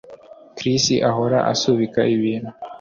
Chris ahora asubika ibintu